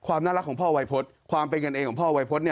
ความน่ารักของพ่อวัยพฤษความเป็นกันเองของพ่อวัยพฤษ